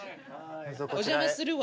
お邪魔するわ。